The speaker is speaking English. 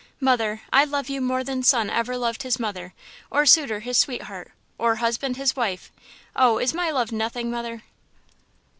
Mother, I love you more than son ever loved his mother, or suitor his sweetheart, or husband his wife! Oh! is my love nothing, mother?"